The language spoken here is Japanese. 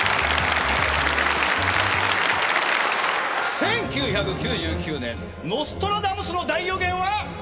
１９９９年ノストラダムスの大予言は外れました。